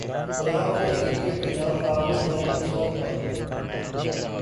بیاں کیا کیجیے بیداد کاوش ہائے مژگاں کا